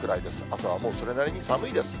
朝はもうそれなりに寒いです。